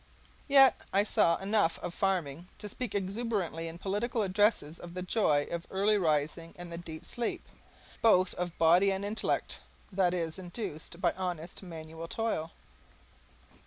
Yet I saw enough of farming to speak exuberantly in political addresses of the joy of early rising and the deep sleep, both of body and intellect, that is induced by honest manual toil.